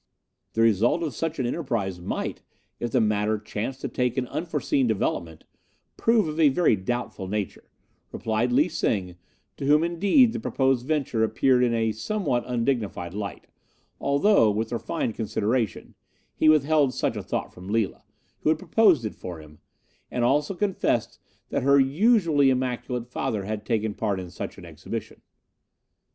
"'The result of such an enterprise might, if the matter chanced to take an unforeseen development, prove of a very doubtful nature,' replied Lee Sing, to whom, indeed, the proposed venture appeared in a somewhat undignified light, although, with refined consideration, he withheld such a thought from Lila, who had proposed it for him, and also confessed that her usually immaculate father had taken part in such an exhibition.